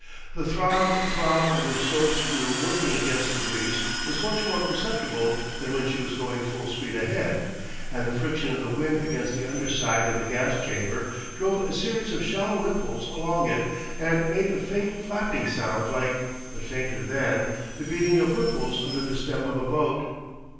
The throb throb of her slow screw working against the breeze was much more perceptible than when she was going full speed ahead; and the friction of the wind against the underside of the gas chamber drove a series of shallow ripples along it and made a faint flapping sound like, but fainter than, the beating of ripples under the stem of a boat.